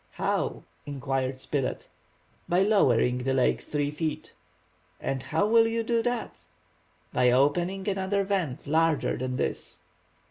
"How?" inquired Spilett. "By lowering the lake three feet." "And how will you do that?" "By opening another vent larger than this."